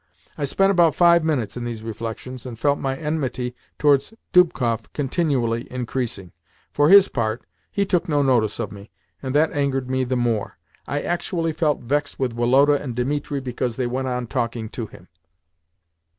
I spent about five minutes in these reflections, and felt my enmity towards Dubkoff continually increasing. For his part, he took no notice of me, and that angered me the more. I actually felt vexed with Woloda and Dimitri because they went on talking to him.